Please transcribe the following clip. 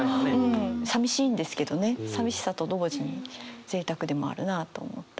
さみしいんですけどねさみしさと同時にぜいたくでもあるなと思ったりして。